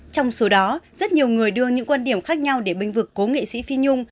trong số đó rất nhiều người đưa những quan điểm khác nhau để binh vực cố nghệ sĩ phi nhung